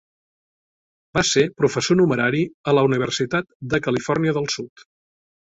Va ser professor numerari a la Universitat de Califòrnia del Sud.